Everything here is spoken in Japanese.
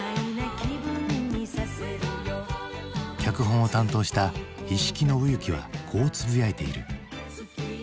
脚本を担当した一色伸幸はこうつぶやいている。